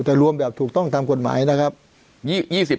แต่รวมแบบถูกต้องตามกฎหมายนะครับ